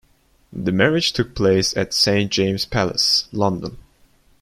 The marriage took place at Saint James's Palace, London.